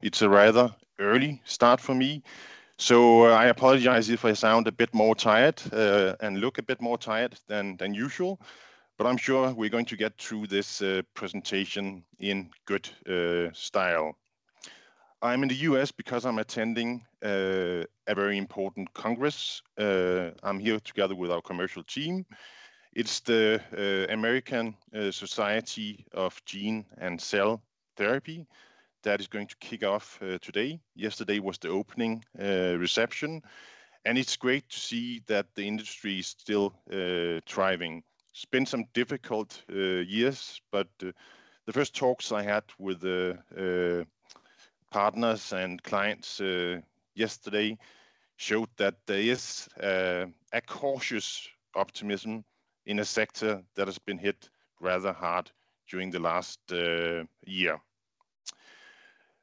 It's a rather early start for me, so I apologize if I sound a bit more tired and look a bit more tired than usual, but I'm sure we're going to get through this presentation in good style. I'm in the U.S. because I'm attending a very important congress. I'm here together with our commercial team. It's the American Society of Gene & Cell Therapy that is going to kick off today. Yesterday was the opening reception, and it's great to see that the industry is still thriving. It's been some difficult years, but the first talks I had with partners and clients yesterday showed that there is a cautious optimism in a sector that has been hit rather hard during the last year.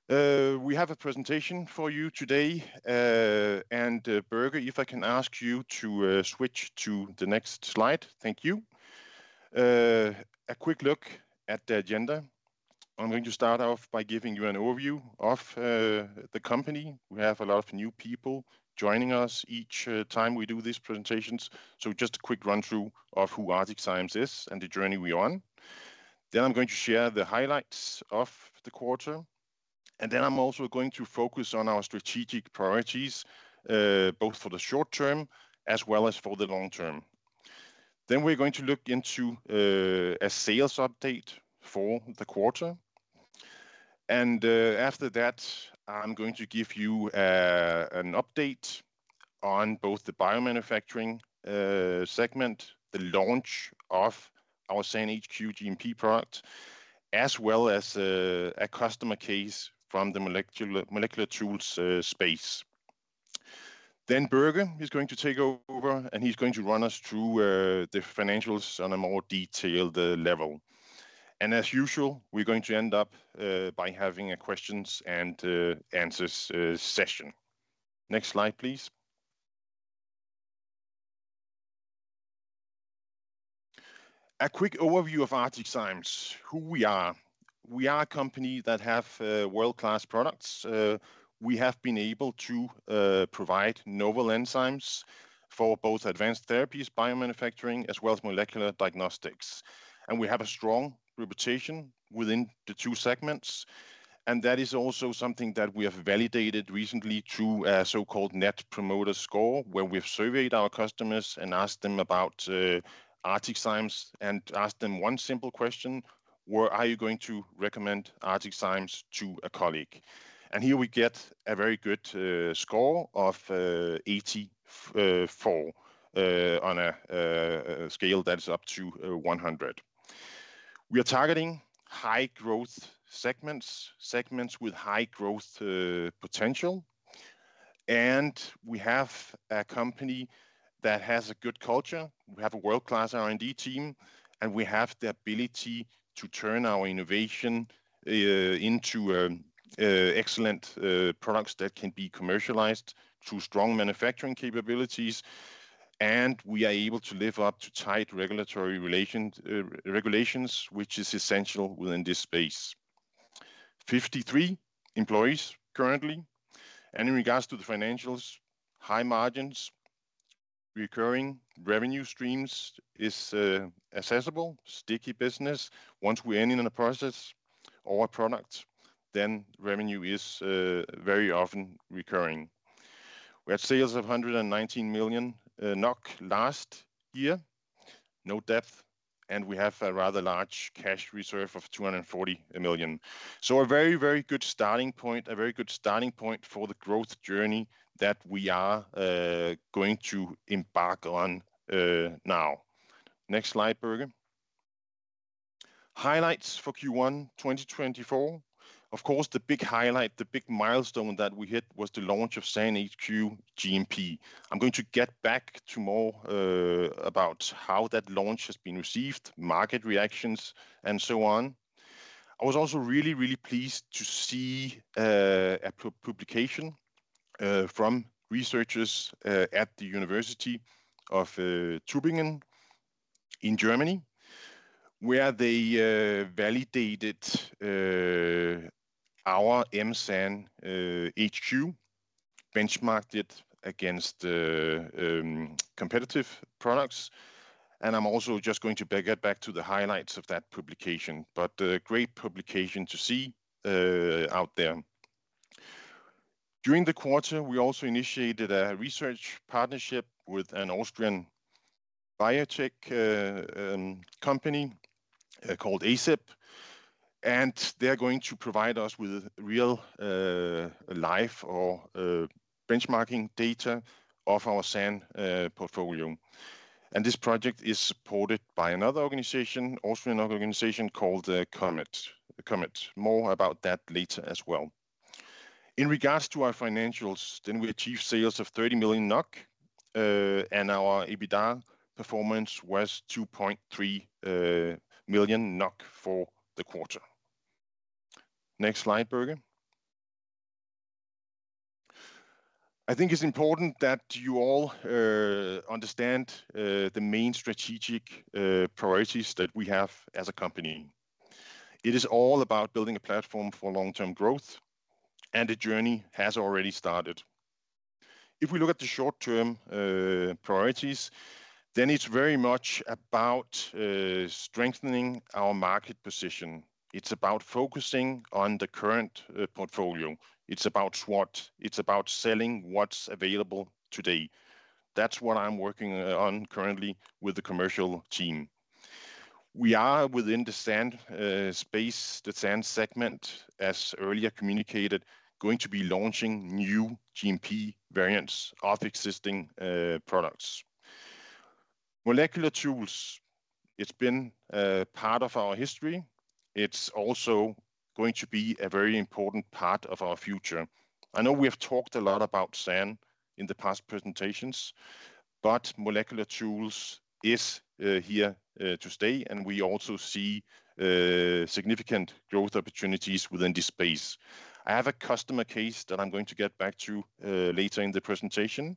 We have a presentation for you today, and Børge, if I can ask you to switch to the next slide, thank you. A quick look at the agenda. I'm going to start off by giving you an overview of the company. We have a lot of new people joining us each time we do these presentations, so just a quick run-through of who ArcticZymes is and the journey we're on. Then I'm going to share the highlights of the quarter, and then I'm also going to focus on our strategic priorities both for the short term as well as for the long term. Then we're going to look into a sales update for the quarter, and after that I'm going to give you an update on both the Biomanufacturing segment, the launch of our SAN HQ GMP product, as well as a customer case from the Molecular Tools space. Then Børge is going to take over, and he's going to run us through the financials on a more detailed level. As usual, we're going to end up by having a questions and answers session. Next slide, please. A quick overview of ArcticZymes, who we are. We are a company that has world-class products. We have been able to provide novel enzymes for both advanced therapies, Biomanufacturing, as well as Molecular Diagnostics. We have a strong reputation within the two segments, and that is also something that we have validated recently through a so-called Net Promoter Score, where we've surveyed our customers and asked them about ArcticZymes and asked them one simple question: Are you going to recommend ArcticZymes to a colleague? Here we get a very good score of 84 on a scale that is up to 100. We are targeting high-growth segments, segments with high growth potential, and we have a company that has a good culture. We have a world-class R&D team, and we have the ability to turn our innovation into excellent products that can be commercialized through strong manufacturing capabilities, and we are able to live up to tight regulatory regulations, which is essential within this space. 53 employees currently, and in regards to the financials, high margins, recurring revenue streams is accessible, sticky business. Once we're in the process or product, then revenue is very often recurring. We had sales of 119 million NOK last year, no debt, and we have a rather large cash reserve of 240 million. So a very, very good starting point, a very good starting point for the growth journey that we are going to embark on now. Next slide, Børge. Highlights for Q1 2024. Of course, the big highlight, the big milestone that we hit was the launch of SANHQ GMP. I'm going to get back tomorrow about how that launch has been received, market reactions, and so on. I was also really, really pleased to see a publication from researchers at the University of Tübingen in Germany, where they validated our M-SAN HQ, benchmarked it against competitive products. And I'm also just going to get back to the highlights of that publication, but a great publication to see out there. During the quarter, we also initiated a research partnership with an Austrian biotech company called acib, and they're going to provide us with real-life benchmarking data of our SAN portfolio. And this project is supported by another Austrian organization called COMET. More about that later as well. In regards to our financials, then we achieved sales of 30 million NOK, and our EBITDA performance was 2.3 million NOK for the quarter. Next slide, Børge. I think it's important that you all understand the main strategic priorities that we have as a company. It is all about building a platform for long-term growth, and the journey has already started. If we look at the short-term priorities, then it's very much about strengthening our market position. It's about focusing on the current portfolio. It's about SWOT. It's about selling what's available today. That's what I'm working on currently with the commercial team. We are within the SAN segment, as earlier communicated, going to be launching new GMP variants of existing products. Molecular tools, it's been part of our history. It's also going to be a very important part of our future. I know we have talked a lot about SAN in the past presentations, but Molecular Tools is here to stay, and we also see significant growth opportunities within this space. I have a customer case that I'm going to get back to later in the presentation,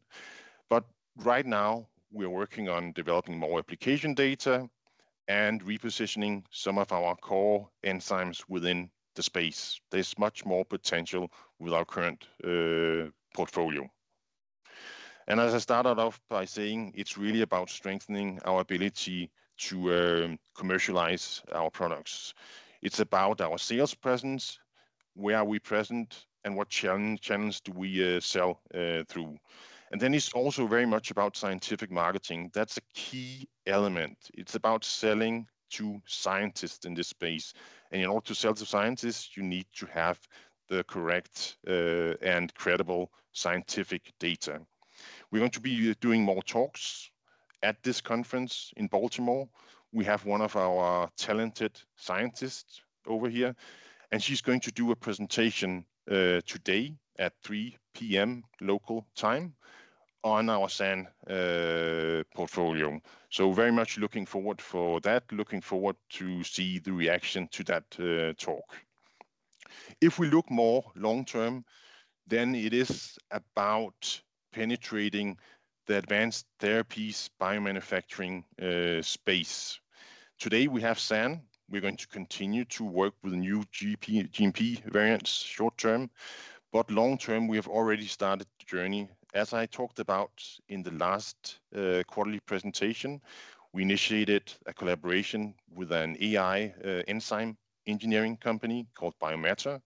but right now we are working on developing more application data and repositioning some of our core enzymes within the space. There's much more potential with our current portfolio. As I started off by saying, it's really about strengthening our ability to commercialize our products. It's about our sales presence. Where are we present, and what channels do we sell through? Then it's also very much about scientific marketing. That's a key element. It's about selling to scientists in this space. In order to sell to scientists, you need to have the correct and credible scientific data. We're going to be doing more talks at this conference in Baltimore. We have one of our talented scientists over here, and she's going to do a presentation today at 3:00 P.M. Local time on our SAN portfolio. So very much looking forward to that, looking forward to seeing the reaction to that talk. If we look more long-term, then it is about penetrating the advanced therapies Biomanufacturing space. Today we have SAN. We're going to continue to work with new GMP variants short-term, but long-term we have already started the journey. As I talked about in the last quarterly presentation, we initiated a collaboration with an AI enzyme engineering company called Biomatter,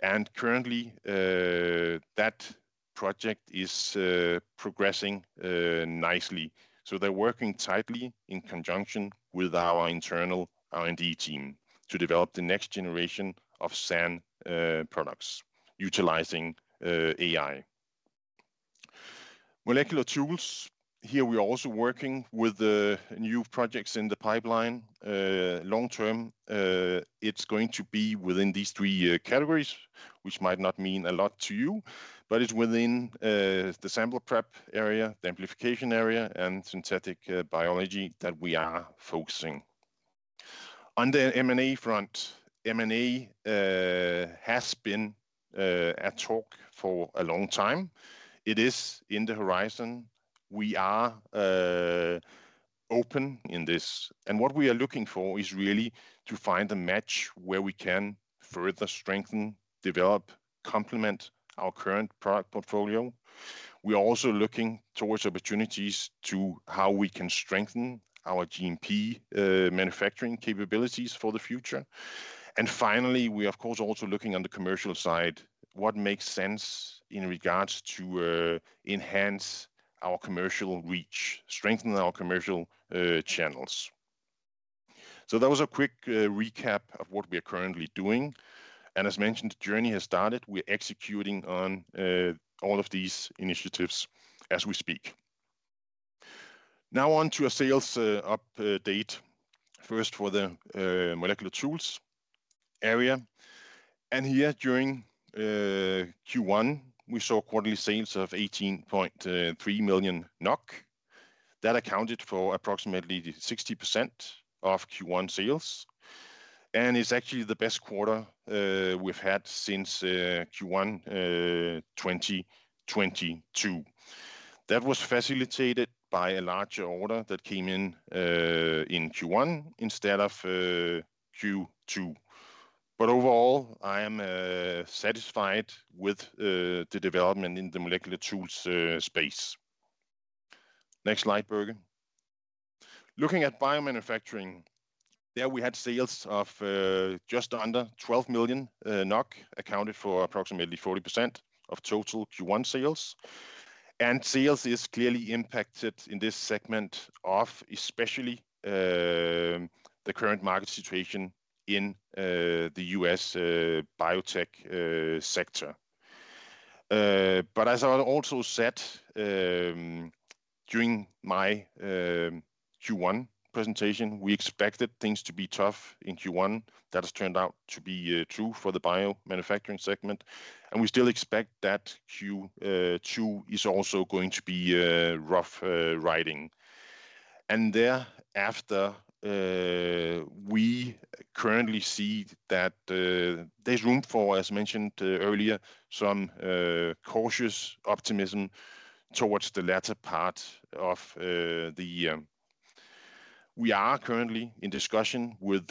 and currently that project is progressing nicely. So they're working tightly in conjunction with our internal R&D team to develop the next generation of SAN products utilizing AI. Molecular Tools, here we're also working with new projects in the pipeline. Long-term, it's going to be within these three categories, which might not mean a lot to you, but it's within the sample prep area, the amplification area, and synthetic biology that we are focusing on. On the M&A front, M&A has been a topic for a long time. It is on the horizon. We are open. In this, and what we are looking for is really to find a match where we can further strengthen, develop, complement our current product portfolio. We're also looking towards opportunities to how we can strengthen our GMP manufacturing capabilities for the future. Finally, we're of course also looking on the commercial side, what makes sense in regards to enhance our commercial reach, strengthen our commercial channels. That was a quick recap of what we are currently doing, and as mentioned, the journey has started. We're executing on all of these initiatives as we speak. Now on to a sales update, first for the Molecular Tools area. And here during Q1, we saw quarterly sales of 18.3 million NOK. That accounted for approximately 60% of Q1 sales, and it's actually the best quarter we've had since Q1 2022. That was facilitated by a larger order that came in Q1 instead of Q2. But overall, I am satisfied with the development in the Molecular Tools space. Next slide, Børge. Looking at Biomanufacturing, there we had sales of just under 12 million NOK, accounted for approximately 40% of total Q1 sales. And sales are clearly impacted in this segment of especially the current market situation in the U.S. biotech sector. But as I also said during my Q1 presentation, we expected things to be tough in Q1. That has turned out to be true for the Biomanufacturing segment, and we still expect that Q2 is also going to be rough riding. And thereafter, we currently see that there's room for, as mentioned earlier, some cautious optimism towards the latter part of the year. We are currently in discussion with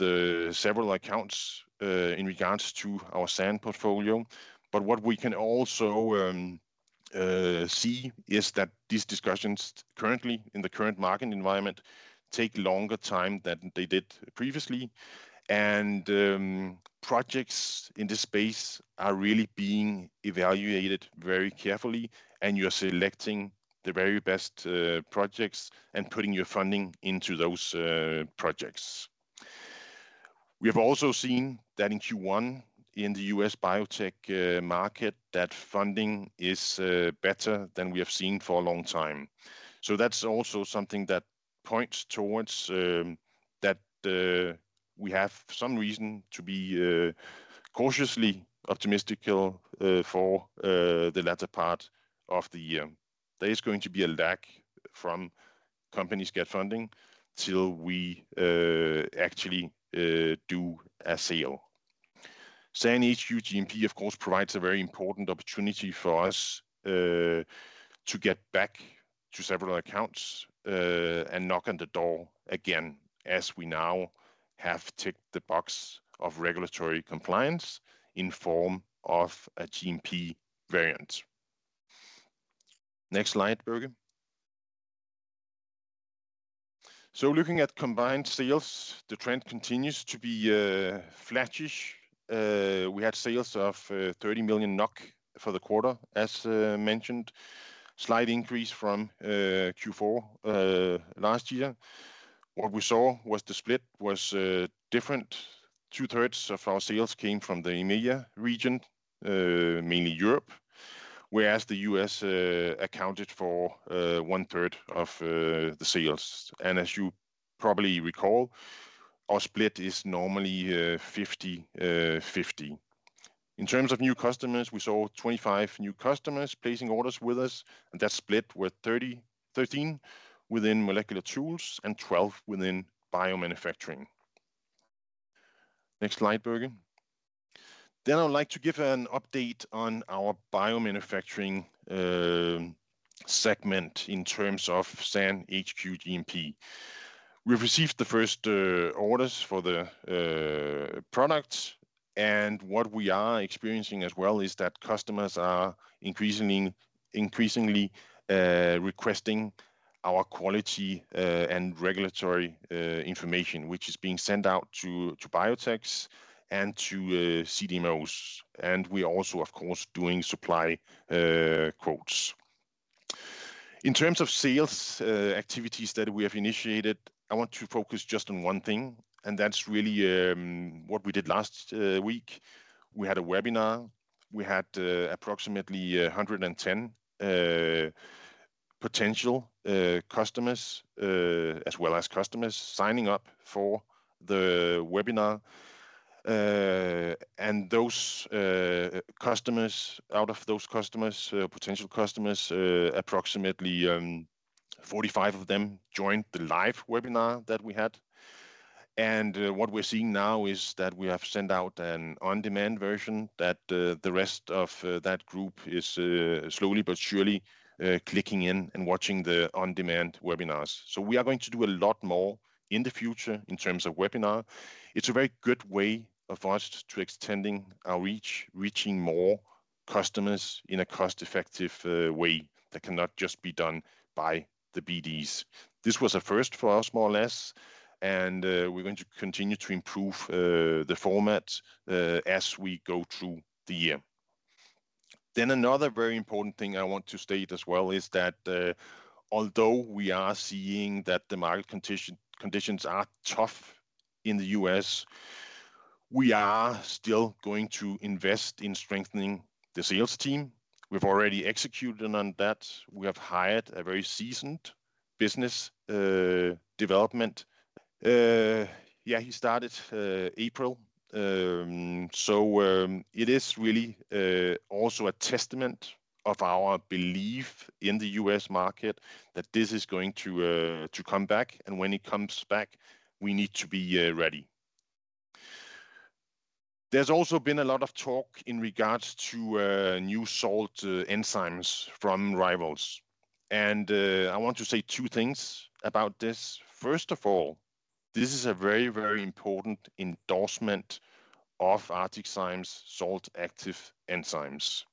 several accounts in regards to our SAN portfolio, but what we can also see is that these discussions currently in the current market environment take longer time than they did previously. And projects in this space are really being evaluated very carefully, and you're selecting the very best projects and putting your funding into those projects. We have also seen that in Q1 in the U.S. biotech market, that funding is better than we have seen for a long time. So that's also something that points towards that we have some reason to be cautiously optimistic for the latter part of the year. There is going to be a lag from companies get funding till we actually do a sale. SAN HQ GMP, of course, provides a very important opportunity for us to get back to several accounts and knock on the door again as we now have ticked the box of regulatory compliance in form of a GMP variant. Next slide, Børge. So looking at combined sales, the trend continues to be flatish. We had sales of 30 million NOK for the quarter, as mentioned, slight increase from Q4 last year. What we saw was the split was different. Two-thirds of our sales came from the EMEA region, mainly Europe, whereas the U.S. accounted for one-third of the sales. And as you probably recall, our split is normally 50/50. In terms of new customers, we saw 25 new customers placing orders with us, and that split was 30-13 within Molecular Tools and 12 within Biomanufacturing. Next slide, Børge. Then I would like to give an update on our Biomanufacturing segment in terms of SAN HQ GMP. We've received the first orders for the products, and what we are experiencing as well is that customers are increasingly requesting our quality and regulatory information, which is being sent out to Biotechs and to CDMOs. And we are also, of course, doing supply quotes. In terms of sales activities that we have initiated, I want to focus just on one thing, and that's really what we did last week. We had a webinar. We had approximately 110 potential customers as well as customers signing up for the webinar. Those customers, out of those potential customers, approximately 45 of them joined the live webinar that we had. What we're seeing now is that we have sent out an on-demand version that the rest of that group is slowly but surely clicking in and watching the on-demand webinars. So we are going to do a lot more in the future in terms of webinar. It's a very good way for us to extend our reach, reaching more customers in a cost-effective way that cannot just be done by the BDs. This was a first for us, more or less, and we're going to continue to improve the format as we go through the year. Then another very important thing I want to state as well is that although we are seeing that the market conditions are tough in the U.S., we are still going to invest in strengthening the sales team. We've already executed on that. We have hired a very seasoned business development. Yeah, he started April. So it is really also a testament of our belief in the U.S. market that this is going to come back, and when it comes back, we need to be ready. There's also been a lot of talk in regards to new salt enzymes from rivals. And I want to say two things about this. First of all, this is a very, very important endorsement of ArcticZymes Salt Active Enzymes.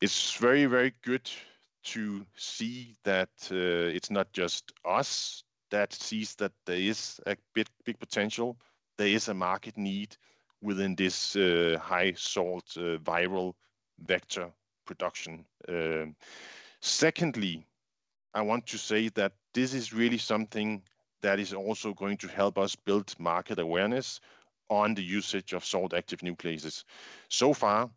It's very, very good to see that it's not just us that see that there is a big potential. There is a market need within this high salt viral vector production. Secondly, I want to say that this is really something that is also going to help us build market awareness on the usage of Salt Active Nucleases. So far,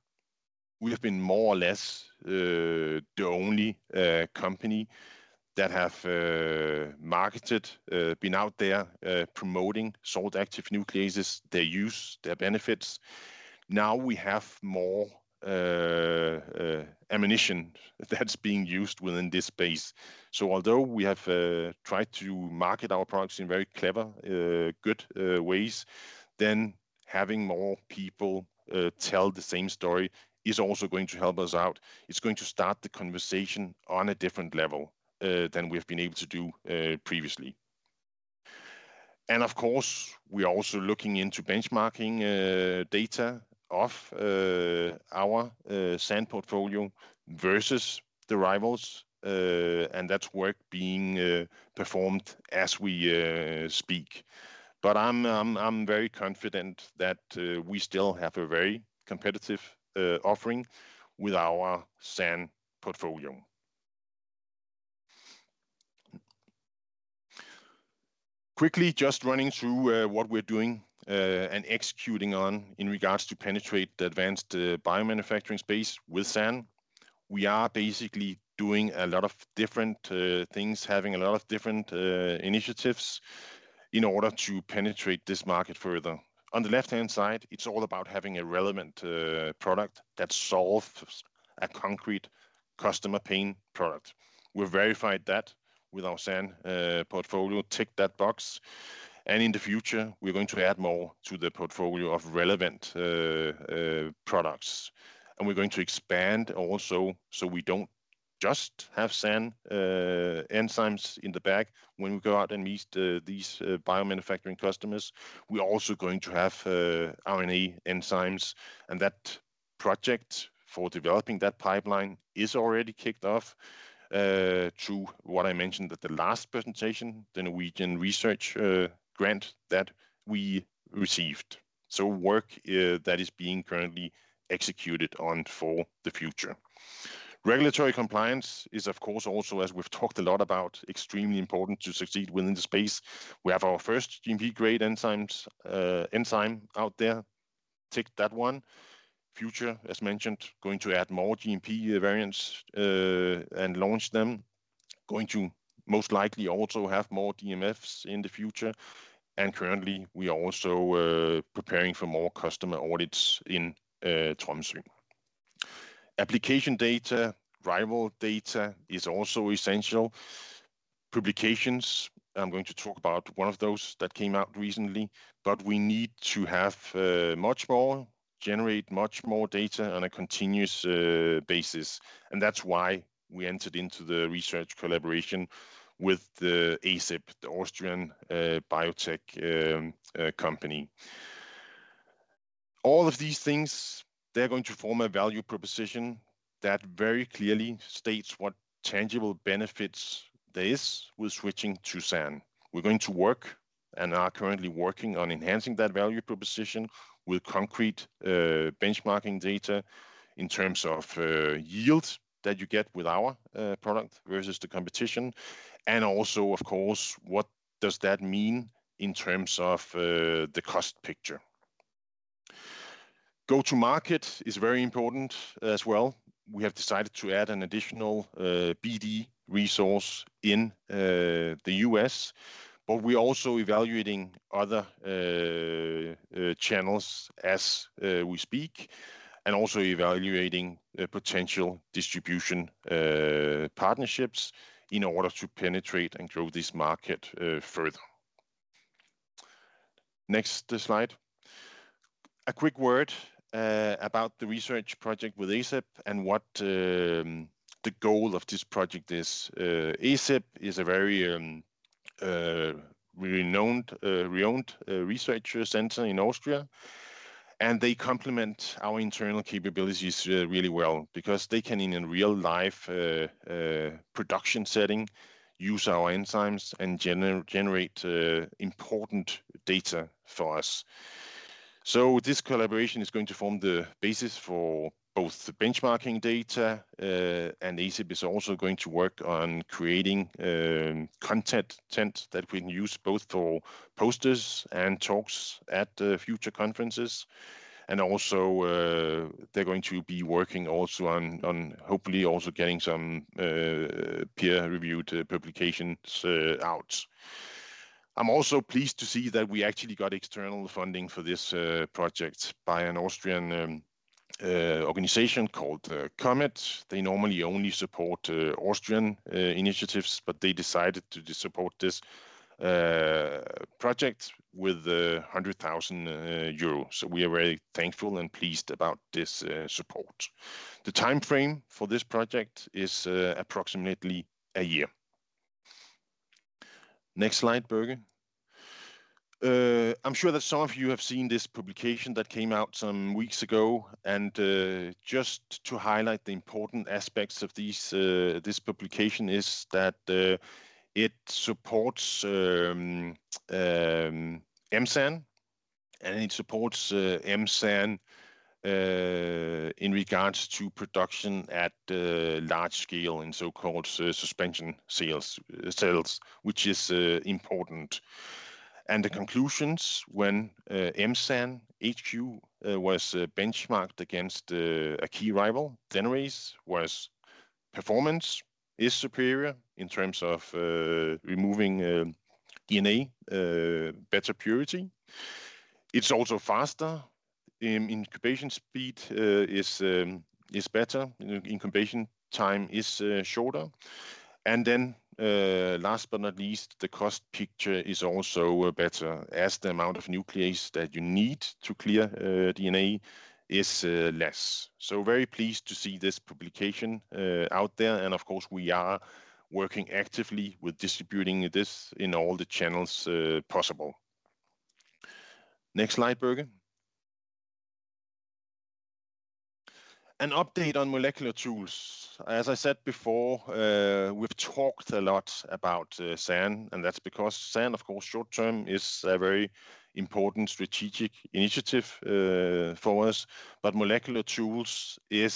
we have been more or less the only company that has marketed, been out there promoting Salt Active Nucleases, their use, their benefits. Now we have more ammunition that's being used within this space. So although we have tried to market our products in very clever, good ways, then having more people tell the same story is also going to help us out. It's going to start the conversation on a different level than we have been able to do previously. And of course, we are also looking into benchmarking data of our SAN portfolio versus the rivals, and that work being performed as we speak. But I'm very confident that we still have a very competitive offering with our SAN portfolio. Quickly, just running through what we're doing and executing on in regards to penetrate the advanced Biomanufacturing space with SAN. We are basically doing a lot of different things, having a lot of different initiatives in order to penetrate this market further. On the left-hand side, it's all about having a relevant product that solves a concrete customer pain product. We've verified that with our SAN portfolio, ticked that box. In the future, we're going to add more to the portfolio of relevant products. We're going to expand also so we don't just have SAN enzymes in the bag when we go out and meet these Biomanufacturing customers. We're also going to have RNA enzymes, and that project for developing that pipeline is already kicked off through what I mentioned at the last presentation, the Norwegian research grant that we received. So work that is being currently executed on for the future. Regulatory compliance is, of course, also, as we've talked a lot about, extremely important to succeed within the space. We have our first GMP-grade enzyme out there. Tick that one. Future, as mentioned, going to add more GMP variants and launch them. Going to most likely also have more DMFs in the future. And currently, we are also preparing for more customer audits in Tromsø. Application data, real data is also essential. Publications, I'm going to talk about one of those that came out recently, but we need to have much more, generate much more data on a continuous basis. And that's why we entered into the research collaboration with the acib, the Austrian biotech company. All of these things, they're going to form a value proposition that very clearly states what tangible benefits there are with switching to SAN. We're going to work and are currently working on enhancing that value proposition with concrete benchmarking data in terms of yield that you get with our product versus the competition. And also, of course, what does that mean in terms of the cost picture? Go-to-market is very important as well. We have decided to add an additional BD resource in the U.S., but we're also evaluating other channels as we speak and also evaluating potential distribution partnerships in order to penetrate and grow this market further. Next slide. A quick word about the research project with acib and what the goal of this project is. acib is a very renowned research center in Austria, and they complement our internal capabilities really well because they can, in a real-life production setting, use our enzymes and generate important data for us. So this collaboration is going to form the basis for both the benchmarking data, and acib is also going to work on creating content that we can use both for posters and talks at future conferences. And also, they're going to be working also on, hopefully, also getting some peer-reviewed publications out. I'm also pleased to see that we actually got external funding for this project by an Austrian organization called COMET. They normally only support Austrian initiatives, but they decided to support this project with 100,000 euros. So we are very thankful and pleased about this support. The timeframe for this project is approximately a year. Next slide, Børge. I'm sure that some of you have seen this publication that came out some weeks ago. Just to highlight the important aspects of this publication is that it supports M-SAN, and it supports M-SAN in regards to production at large scale in so-called suspension cells, which is important. The conclusions, when M-SAN HQ was benchmarked against a key rival, Denarase, was performance is superior in terms of removing DNA, better purity. It's also faster. Incubation speed is better. Incubation time is shorter. And then, last but not least, the cost picture is also better as the amount of nuclease that you need to clear DNA is less. So very pleased to see this publication out there. And of course, we are working actively with distributing this in all the channels possible. Next slide, Børge. An update on Molecular Tools. As I said before, we've talked a lot about SAN, and that's because SAN, of course, short-term is a very important strategic initiative for us, but Molecular Tools are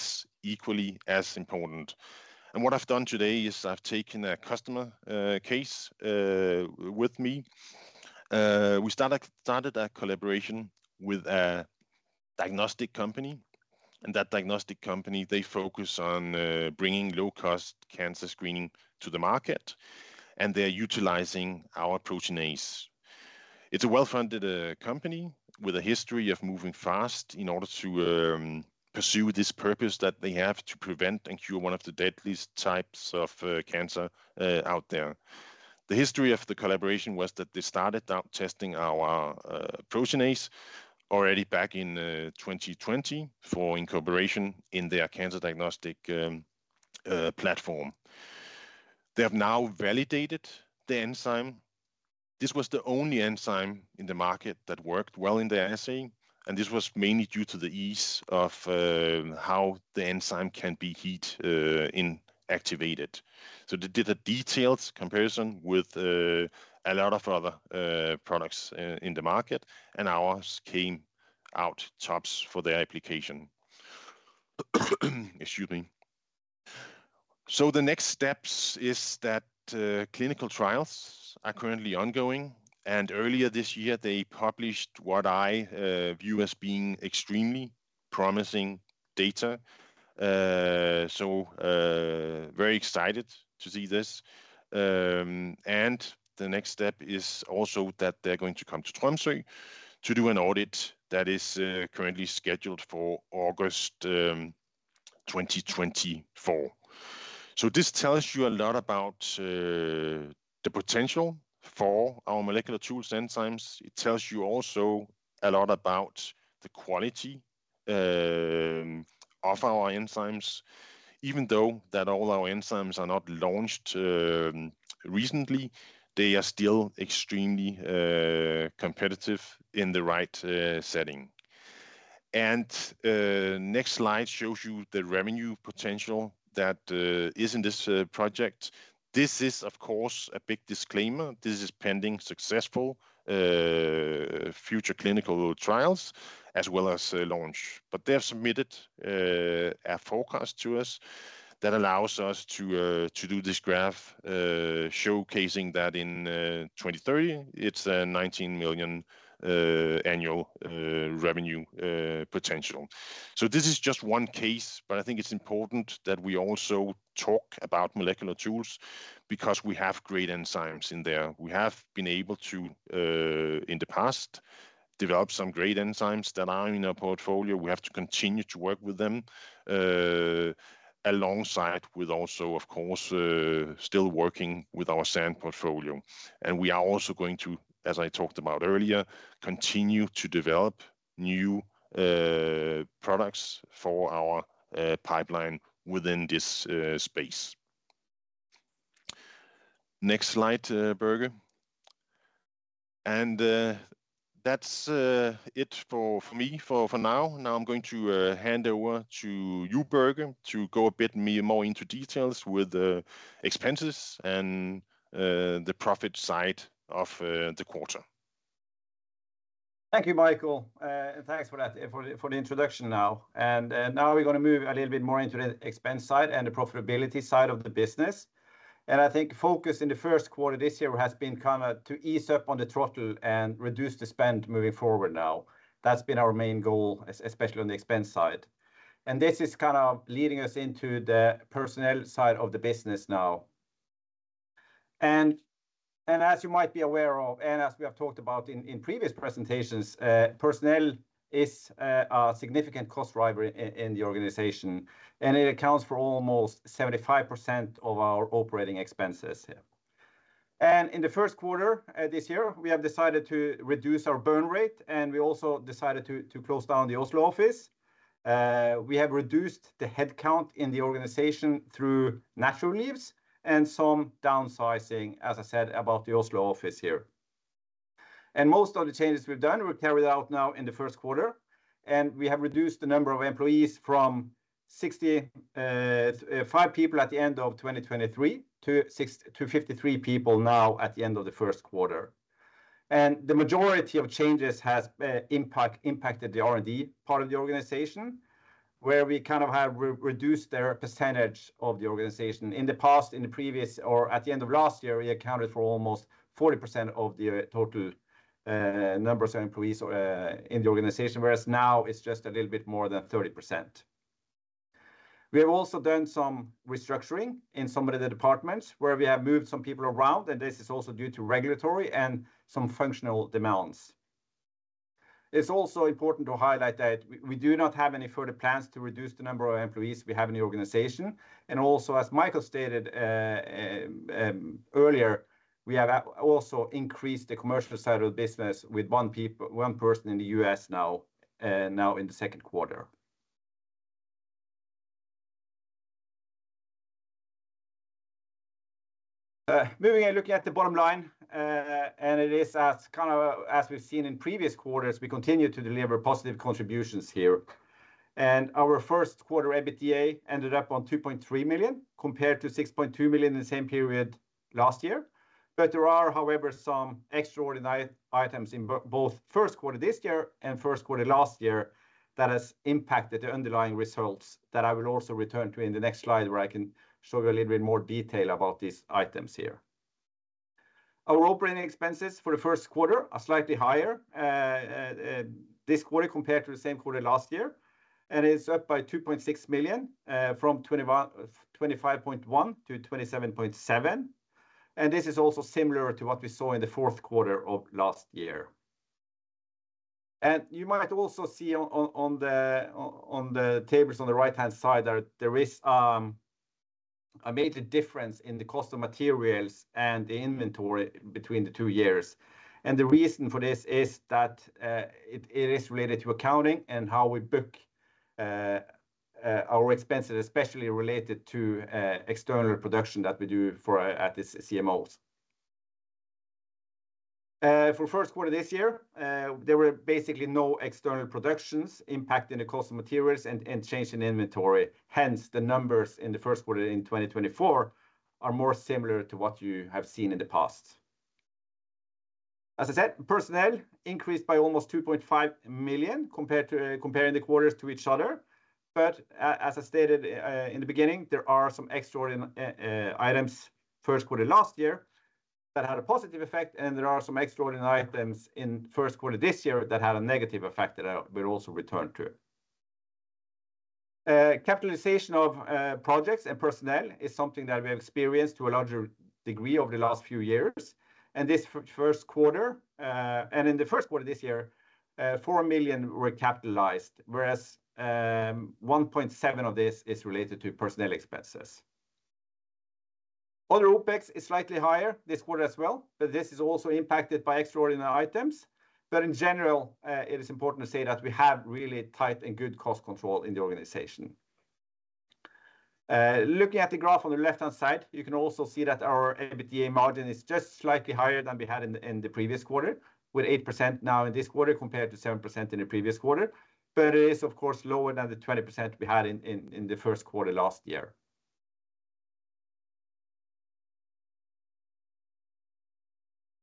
equally as important. What I've done today is I've taken a customer case with me. We started a collaboration with a diagnostic company, and that diagnostic company, they focus on bringing low-cost cancer screening to the market, and they're utilizing our proteinase. It's a well-funded company with a history of moving fast in order to pursue this purpose that they have to prevent and cure one of the deadliest types of cancer out there. The history of the collaboration was that they started out testing our proteinase already back in 2020 for incorporation in their cancer diagnostic platform. They have now validated the enzyme. This was the only enzyme in the market that worked well in their assay, and this was mainly due to the ease of how the enzyme can be heat activated. So they did a detailed comparison with a lot of other products in the market, and ours came out tops for their application. Excuse me. So the next steps is that clinical trials are currently ongoing, and earlier this year, they published what I view as being extremely promising data. So very excited to see this. And the next step is also that they're going to come to Tromsø to do an audit that is currently scheduled for August 2024. So this tells you a lot about the potential for our Molecular Tools enzymes. It tells you also a lot about the quality of our enzymes. Even though that all our enzymes are not launched recently, they are still extremely competitive in the right setting. Next slide shows you the revenue potential that is in this project. This is, of course, a big disclaimer. This is pending successful future clinical trials as well as launch. They have submitted a forecast to us that allows us to do this graph showcasing that in 2030, it's a 19 million annual revenue potential. This is just one case, but I think it's important that we also talk about Molecular Tools because we have great enzymes in there. We have been able to, in the past, develop some great enzymes that are in our portfolio. We have to continue to work with them alongside with also, of course, still working with our SAN portfolio. We are also going to, as I talked about earlier, continue to develop new products for our pipeline within this space. Next slide, Børge. That's it for me for now. Now I'm going to hand over to you, Børge, to go a bit more into details with the expenses and the profit side of the quarter. Thank you, Michael, and thanks for that for the introduction now. Now we're going to move a little bit more into the expense side and the profitability side of the business. I think focus in the first quarter this year has been kind of to ease up on the throttle and reduce the spend moving forward now. That's been our main goal, especially on the expense side. This is kind of leading us into the personnel side of the business now. As you might be aware of, and as we have talked about in previous presentations, personnel is a significant cost driver in the organization, and it accounts for almost 75% of our operating expenses. In the first quarter this year, we have decided to reduce our burn rate, and we also decided to close down the Oslo office. We have reduced the headcount in the organization through natural leaves and some downsizing, as I said, about the Oslo office here. Most of the changes we've done, we've carried out now in the first quarter, and we have reduced the number of employees from 65 people at the end of 2023 to 53 people now at the end of the first quarter. The majority of changes have impacted the R&D part of the organization, where we kind of have reduced their percentage of the organization. In the past, in the previous or at the end of last year, we accounted for almost 40% of the total numbers of employees in the organization, whereas now it's just a little bit more than 30%. We have also done some restructuring in some of the departments where we have moved some people around, and this is also due to regulatory and some functional demands. It's also important to highlight that we do not have any further plans to reduce the number of employees we have in the organization. Also, as Michael stated earlier, we have also increased the commercial side of the business with one person in the U.S. now in the second quarter. Moving and looking at the bottom line, and it is as kind of as we've seen in previous quarters, we continue to deliver positive contributions here. Our first quarter EBITDA ended up on 2.3 million compared to 6.2 million in the same period last year. But there are, however, some extraordinary items in both first quarter this year and first quarter last year that have impacted the underlying results that I will also return to in the next slide where I can show you a little bit more detail about these items here. Our operating expenses for the first quarter are slightly higher this quarter compared to the same quarter last year, and it's up by 2.6 million from 25.1 million to 27.7 million. This is also similar to what we saw in the fourth quarter of last year. You might also see on the tables on the right-hand side that there is a major difference in the cost of materials and the inventory between the two years. The reason for this is that it is related to accounting and how we book our expenses, especially related to external production that we do at these CMOs. For first quarter this year, there were basically no external productions impacting the cost of materials and change in inventory. Hence, the numbers in the first quarter in 2024 are more similar to what you have seen in the past. As I said, personnel increased by almost 2.5 million comparing the quarters to each other. But as I stated in the beginning, there are some extraordinary items first quarter last year that had a positive effect, and there are some extraordinary items in first quarter this year that had a negative effect that we'll also return to. Capitalization of projects and personnel is something that we have experienced to a larger degree over the last few years. This first quarter, and in the first quarter this year, 4 million were capitalized, whereas 1.7 million of this is related to personnel expenses. Other OPEX is slightly higher this quarter as well, but this is also impacted by extraordinary items. But in general, it is important to say that we have really tight and good cost control in the organization. Looking at the graph on the left-hand side, you can also see that our EBITDA margin is just slightly higher than we had in the previous quarter, with 8% now in this quarter compared to 7% in the previous quarter. But it is, of course, lower than the 20% we had in the first quarter last year.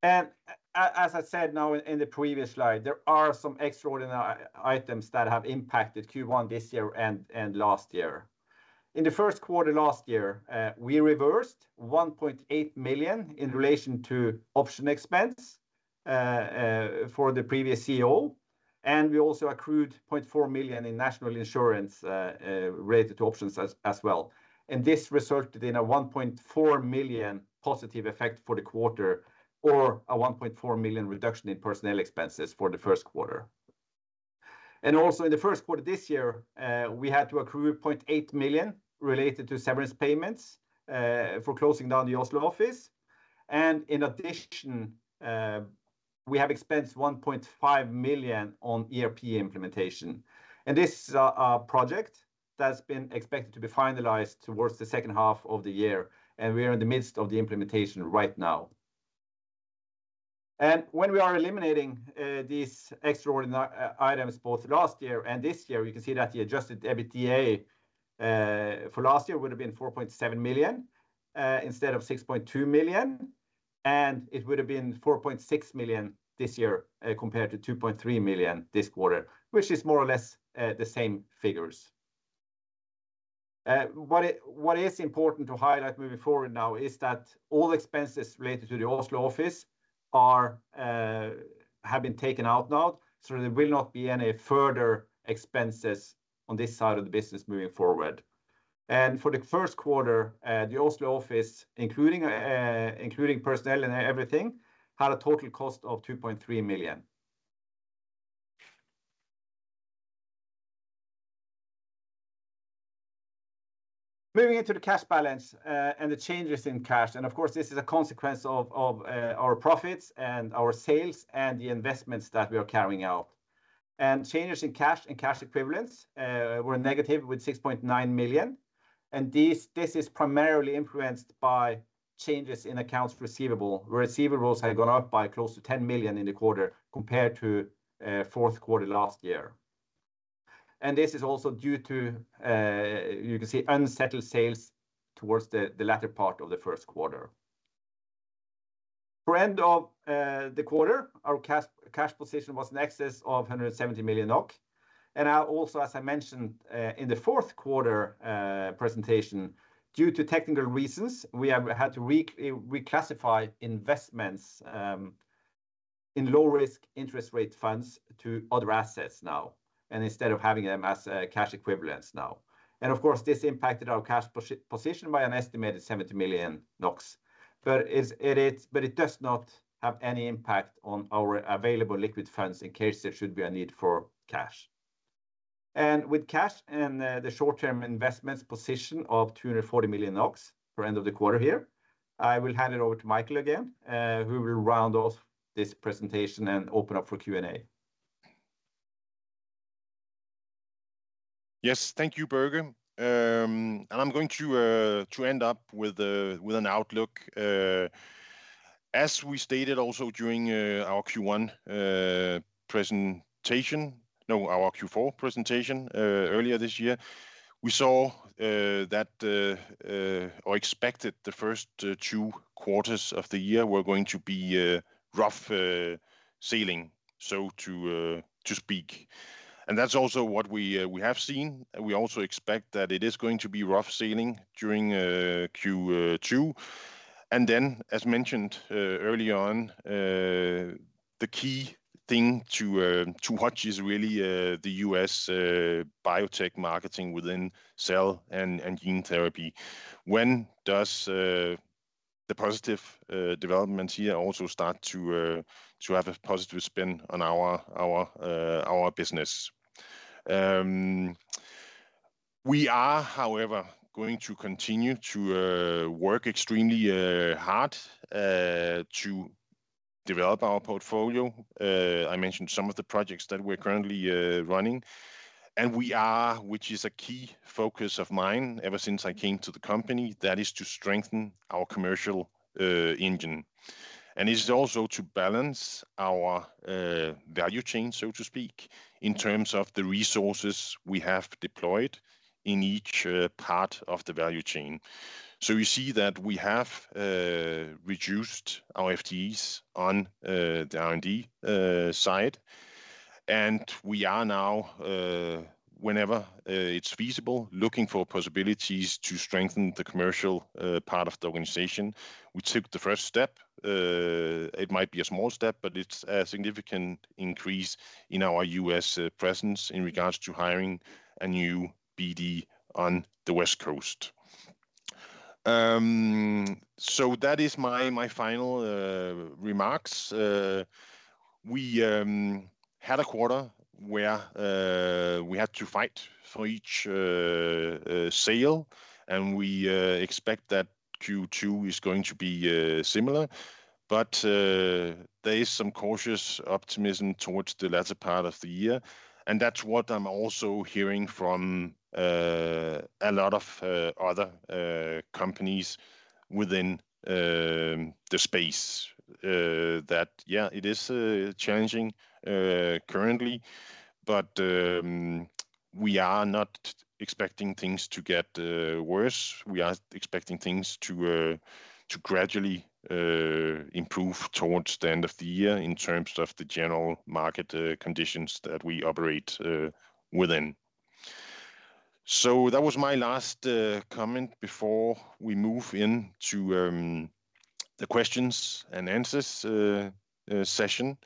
And as I said now in the previous slide, there are some extraordinary items that have impacted Q1 this year and last year. In the first quarter last year, we reversed 1.8 million in relation to option expense for the previous CEO, and we also accrued 0.4 million in national insurance related to options as well. This resulted in a 1.4 million positive effect for the quarter, or a 1.4 million reduction in personnel expenses for the first quarter. Also in the first quarter this year, we had to accrue 0.8 million related to severance payments for closing down the Oslo office. In addition, we have expensed 1.5 million on ERP implementation. This is a project that's been expected to be finalized towards the second half of the year, and we are in the midst of the implementation right now. When we are eliminating these extraordinary items, both last year and this year, you can see that the adjusted EBITDA for last year would have been 4.7 million instead of 6.2 million. It would have been 4.6 million this year compared to 2.3 million this quarter, which is more or less the same figures. What is important to highlight moving forward now is that all expenses related to the Oslo office have been taken out now, so there will not be any further expenses on this side of the business moving forward. For the first quarter, the Oslo office, including personnel and everything, had a total cost of 2.3 million. Moving into the cash balance and the changes in cash. Of course, this is a consequence of our profits and our sales and the investments that we are carrying out. Changes in cash and cash equivalents were negative with 6.9 million. This is primarily influenced by changes in accounts receivable, where receivables have gone up by close to 10 million in the quarter compared to fourth quarter last year. This is also due to, you can see, unsettled sales towards the latter part of the first quarter. For the end of the quarter, our cash position was in excess of 170 million NOK. Now also, as I mentioned in the fourth quarter presentation, due to technical reasons, we have had to reclassify investments in low-risk interest rate funds to other assets now, and instead of having them as cash equivalents now. Of course, this impacted our cash position by an estimated 70 million NOK. But it does not have any impact on our available liquid funds in case there should be a need for cash. With cash and the short-term investments position of 240 million NOK for the end of the quarter here, I will hand it over to Michael again, who will round off this presentation and open up for Q&A. Yes, thank you, Børge. I'm going to end up with an outlook. As we stated also during our Q1 presentation, no, our Q4 presentation earlier this year, we saw that or expected the first two quarters of the year were going to be rough sailing, so to speak. And that's also what we have seen. We also expect that it is going to be rough sailing during Q2. And then, as mentioned earlier on, the key thing to watch is really the U.S. biotech marketing within cell and gene therapy. When does the positive developments here also start to have a positive spin on our business? We are, however, going to continue to work extremely hard to develop our portfolio. I mentioned some of the projects that we're currently running. We are, which is a key focus of mine ever since I came to the company, that is to strengthen our commercial engine. It is also to balance our value chain, so to speak, in terms of the resources we have deployed in each part of the value chain. You see that we have reduced our FTEs on the R&D side. We are now, whenever it's feasible, looking for possibilities to strengthen the commercial part of the organization. We took the first step. It might be a small step, but it's a significant increase in our U.S. presence in regards to hiring a new BD on the West Coast. That is my final remarks. We had a quarter where we had to fight for each sale, and we expect that Q2 is going to be similar. But there is some cautious optimism towards the latter part of the year. And that's what I'm also hearing from a lot of other companies within the space, that, yeah, it is challenging currently. But we are not expecting things to get worse. We are expecting things to gradually improve towards the end of the year in terms of the general market conditions that we operate within. So that was my last comment before we move into the questions and answers session.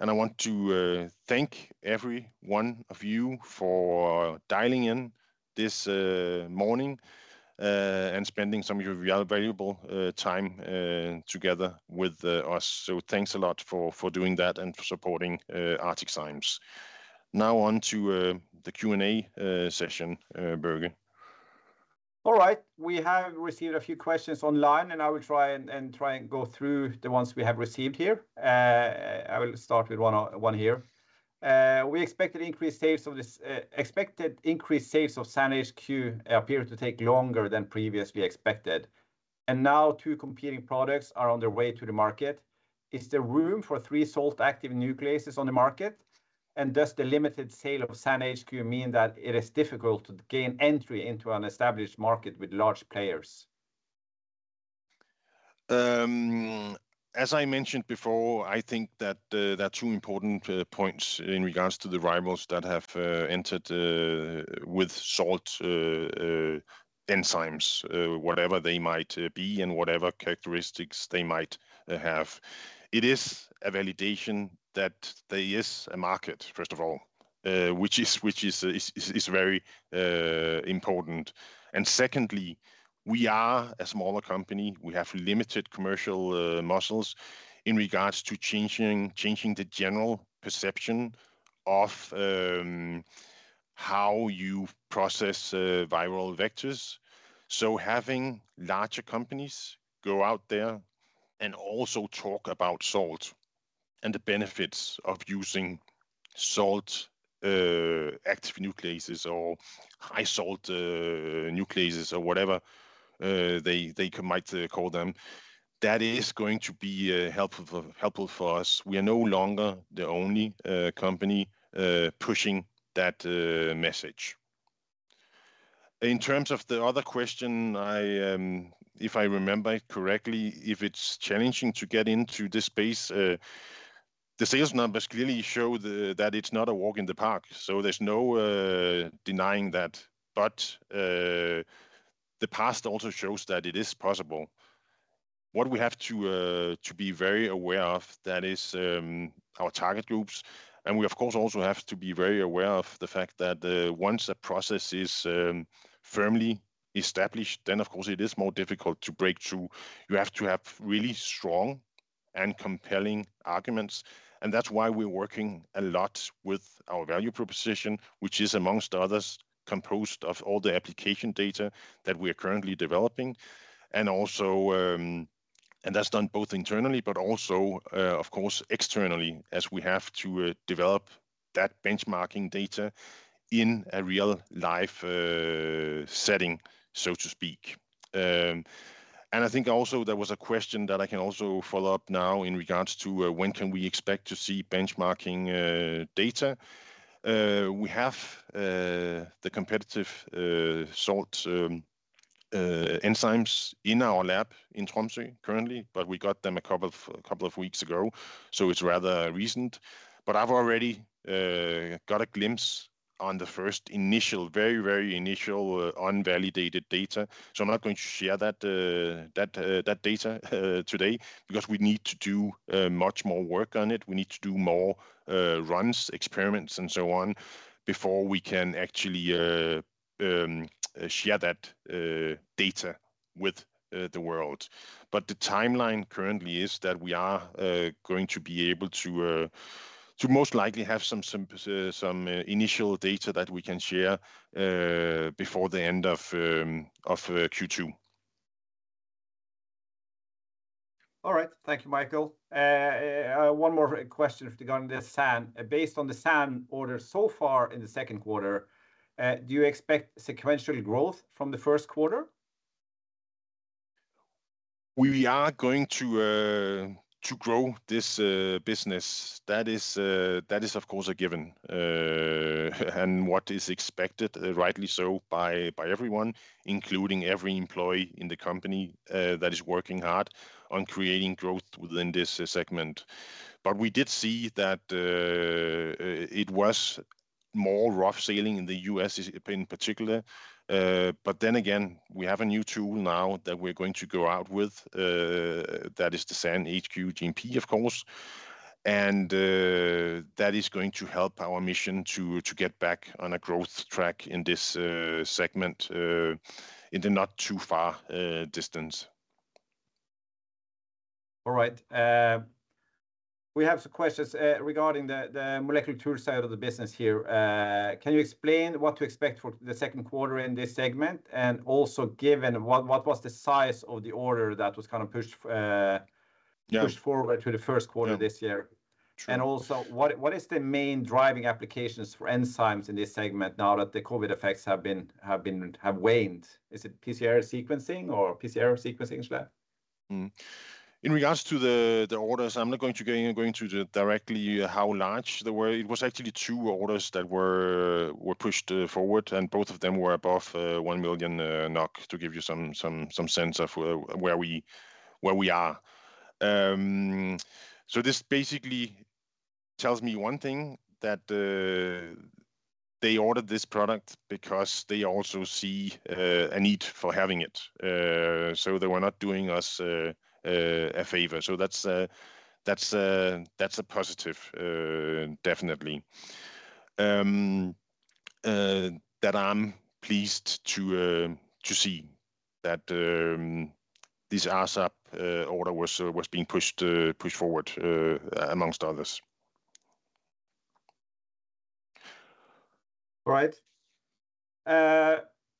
And I want to thank every one of you for dialing in this morning and spending some of your valuable time together with us. So thanks a lot for doing that and for supporting ArcticZymes. Now on to the Q&A session, Børge. All right, we have received a few questions online, and I will try and go through the ones we have received here. I will start with one here. We expected increased sales of this expected increased sales of SAN HQ appear to take longer than previously expected. And now two competing products are on their way to the market. Is there room for three salt-active nucleases on the market? And does the limited sale of SAN HQ mean that it is difficult to gain entry into an established market with large players? As I mentioned before, I think that there are two important points in regards to the rivals that have entered with salt enzymes, whatever they might be and whatever characteristics they might have. It is a validation that there is a market, first of all, which is very important. And secondly, we are a smaller company. We have limited commercial muscles in regards to changing the general perception of how you process viral vectors. So having larger companies go out there and also talk about salt and the benefits of using salt-active nucleases or high-salt nucleases or whatever they might call them, that is going to be helpful for us. We are no longer the only company pushing that message. In terms of the other question, if I remember correctly, if it's challenging to get into this space, the sales numbers clearly show that it's not a walk in the park. So there's no denying that. But the past also shows that it is possible. What we have to be very aware of, that is our target groups. We, of course, also have to be very aware of the fact that once a process is firmly established, then, of course, it is more difficult to break through. You have to have really strong and compelling arguments. That's why we're working a lot with our value proposition, which is, among others, composed of all the application data that we are currently developing. That's done both internally, but also, of course, externally, as we have to develop that benchmarking data in a real-life setting, so to speak. I think also there was a question that I can also follow up now in regards to when can we expect to see benchmarking data. We have the competitive salt enzymes in our lab in Tromsø currently, but we got them a couple of weeks ago, so it's rather recent. But I've already got a glimpse of the first initial, very, very initial unvalidated data. So I'm not going to share that data today because we need to do much more work on it. We need to do more runs, experiments, and so on before we can actually share that data with the world. But the timeline currently is that we are going to be able to most likely have some initial data that we can share before the end of Q2. All right, thank you, Michael. One more question regarding the SAN. Based on the SAN order so far in the second quarter, do you expect sequential growth from the first quarter? We are going to grow this business. That is, of course, a given. And what is expected, rightly so, by everyone, including every employee in the company that is working hard on creating growth within this segment. But we did see that it was more rough sailing in the U.S. in particular. But then again, we have a new tool now that we're going to go out with, that is the SAN HQ GMP, of course. And that is going to help our mission to get back on a growth track in this segment in the not-too-far distance. All right. We have some questions regarding the Molecular Tools side of the business here. Can you explain what to expect for the second quarter in this segment? And also, given what was the size of the order that was kind of pushed forward to the first quarter this year? And also, what is the main driving applications for enzymes in this segment now that the COVID effects have waned? Is it PCR, sequencing, or NGS? In regards to the orders, I'm not going to go into directly how large they were. It was actually two orders that were pushed forward, and both of them were above 1 million NOK, to give you some sense of where we are. So this basically tells me one thing, that they ordered this product because they also see a need for having it. So they were not doing us a favor. So that's a positive, definitely, that I'm pleased to see that this RSAP order was being pushed forward, amongst others. All right.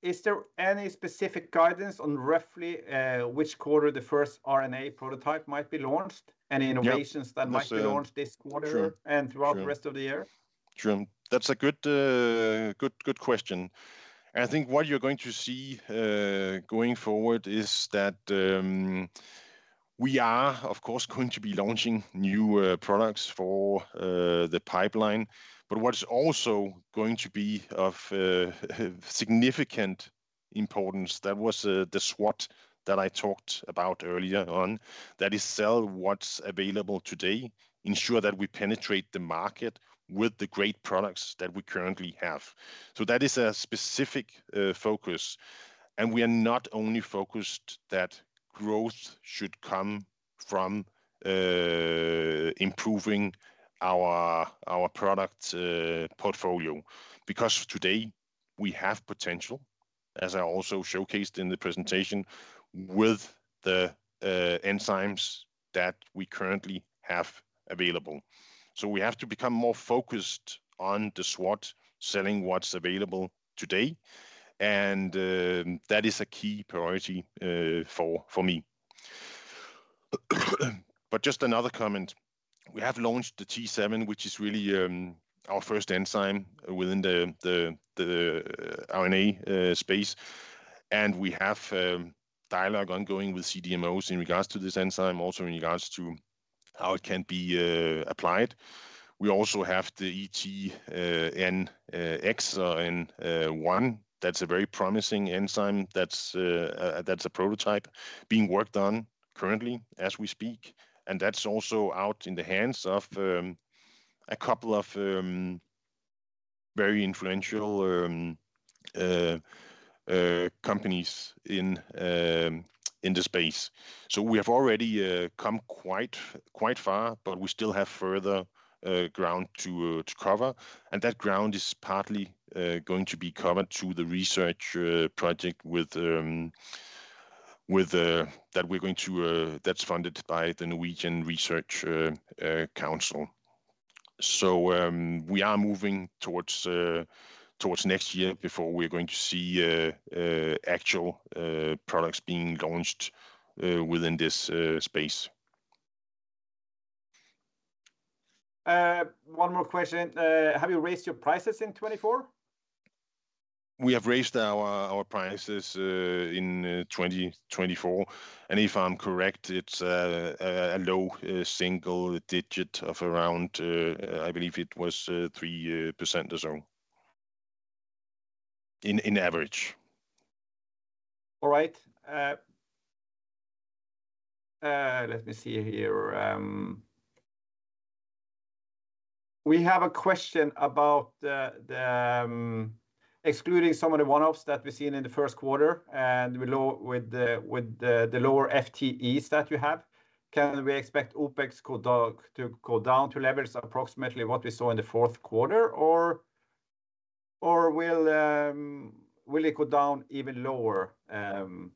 Is there any specific guidance on roughly which quarter the first RNA prototype might be launched? Any innovations that might be launched this quarter and throughout the rest of the year? Sure. That's a good question. I think what you're going to see going forward is that we are, of course, going to be launching new products for the pipeline. But what's also going to be of significant importance, that was the SWOT that I talked about earlier on, that is sell what's available today, ensure that we penetrate the market with the great products that we currently have. So that is a specific focus. And we are not only focused that growth should come from improving our product portfolio. Because today, we have potential, as I also showcased in the presentation, with the enzymes that we currently have available. So we have to become more focused on the SWOT, selling what's available today. And that is a key priority for me. But just another comment. We have launched the T7, which is really our first enzyme within the RNA space. And we have dialogue ongoing with CDMOs in regards to this enzyme, also in regards to how it can be applied. We also have the ET-N1. That's a very promising enzyme that's a prototype being worked on currently as we speak. And that's also out in the hands of a couple of very influential companies in the space. So we have already come quite far, but we still have further ground to cover. And that ground is partly going to be covered to the research project that we're going to that's funded by the Norwegian Research Council. So we are moving towards next year before we're going to see actual products being launched within this space. One more question. Have you raised your prices in 2024? We have raised our prices in 2024. And if I'm correct, it's a low single digit of around, I believe it was 3% or so on average. All right. Let me see here. We have a question about excluding some of the one-offs that we've seen in the first quarter with the lower FTEs that you have. Can we expect OPEX to go down to levels approximately what we saw in the fourth quarter, or will it go down even lower? And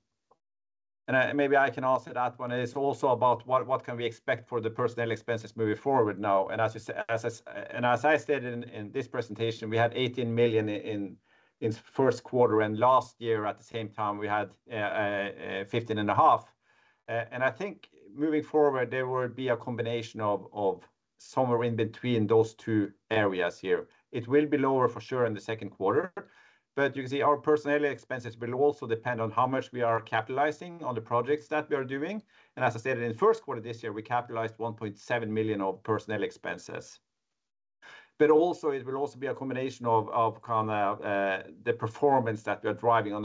maybe I can answer that one. It's also about what can we expect for the personnel expenses moving forward now. And as I stated in this presentation, we had 18 million in first quarter. And last year, at the same time, we had 15.5 million. And I think moving forward, there will be a combination of somewhere in between those two areas here. It will be lower for sure in the second quarter. You can see our personnel expenses will also depend on how much we are capitalizing on the projects that we are doing. As I stated in the first quarter this year, we capitalized 1.7 million of personnel expenses. Also, it will also be a combination of kind of the performance that we are driving on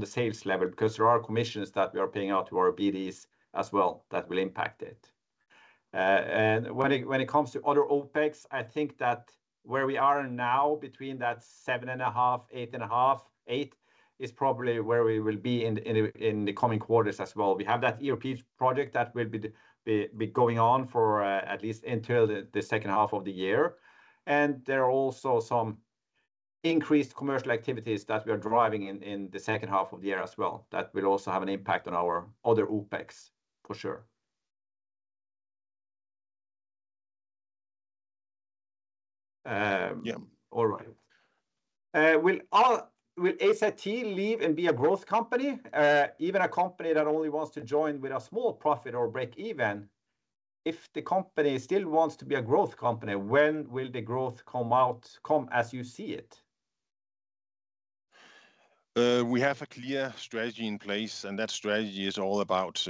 the sales level because there are commissions that we are paying out to our BDs as well that will impact it. When it comes to other OPEX, I think that where we are now between that 7.5, 8.5, 8 is probably where we will be in the coming quarters as well. We have that ERP project that will be going on for at least until the second half of the year. There are also some increased commercial activities that we are driving in the second half of the year as well that will also have an impact on our other OPEX, for sure. All right. Will AZT live and be a growth company, even a company that only wants to join with a small profit or break even? If the company still wants to be a growth company, when will the growth come about as you see it? We have a clear strategy in place, and that strategy is all about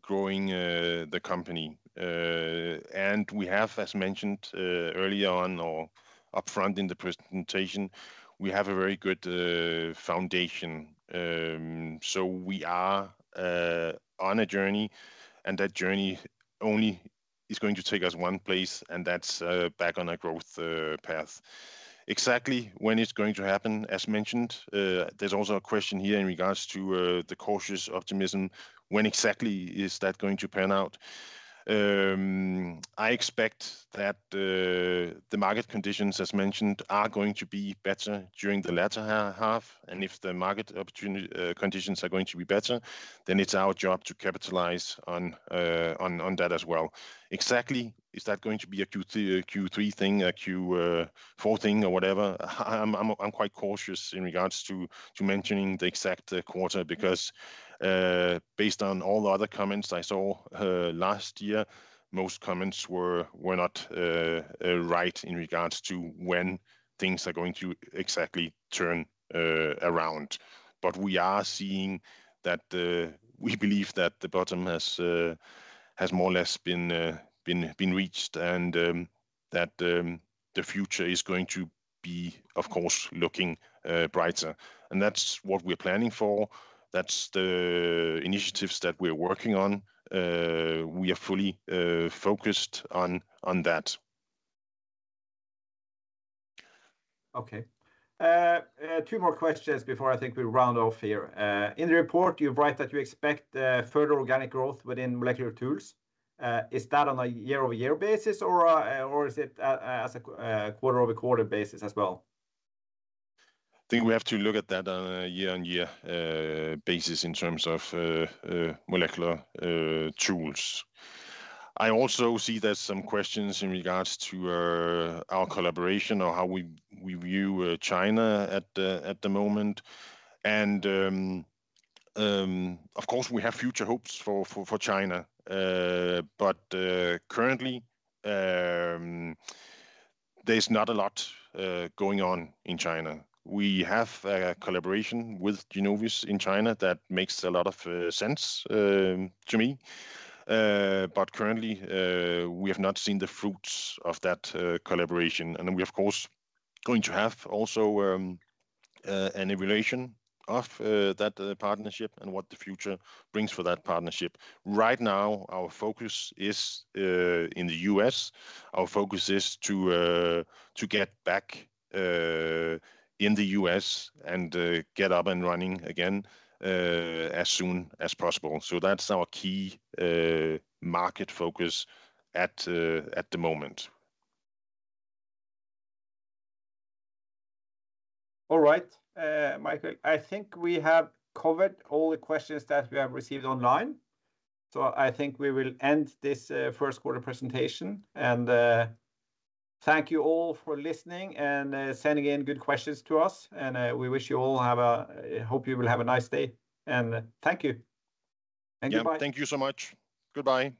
growing the company. And we have, as mentioned earlier on or upfront in the presentation, we have a very good foundation. So we are on a journey, and that journey only is going to take us one place, and that's back on a growth path. Exactly when it's going to happen, as mentioned, there's also a question here in regards to the cautious optimism. When exactly is that going to pan out? I expect that the market conditions, as mentioned, are going to be better during the latter half. And if the market conditions are going to be better, then it's our job to capitalize on that as well. Exactly, is that going to be a Q3 thing, a Q4 thing, or whatever? I'm quite cautious in regards to mentioning the exact quarter because based on all the other comments I saw last year, most comments were not right in regards to when things are going to exactly turn around. But we are seeing that we believe that the bottom has more or less been reached and that the future is going to be, of course, looking brighter. And that's what we're planning for. That's the initiatives that we're working on. We are fully focused on that. Okay. Two more questions before I think we round off here. In the report, you write that you expect further organic growth within Molecular Tools. Is that on a year-over-year basis, or is it as a quarter-over-quarter basis as well? I think we have to look at that on a year-over-year basis in terms of Molecular Tools. I also see there's some questions in regards to our collaboration or how we view China at the moment. Of course, we have future hopes for China. But currently, there's not a lot going on in China. We have a collaboration with Genovis in China that makes a lot of sense to me. But currently, we have not seen the fruits of that collaboration. We, of course, are going to have also an evaluation of that partnership and what the future brings for that partnership. Right now, our focus is in the U.S. Our focus is to get back in the U.S. and get up and running again as soon as possible. So that's our key market focus at the moment. All right, Michael. I think we have covered all the questions that we have received online. So I think we will end this first quarter presentation. And thank you all for listening and sending in good questions to us. And we wish you all have a hope you will have a nice day. And thank you. Thank you. Thank you so much. Goodbye.